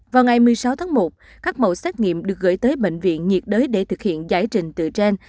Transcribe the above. vào ngày một mươi sáu tháng một các mẫu xét nghiệm được gửi tới bệnh viện nhiệt đới để thực hiện giải trình từ trên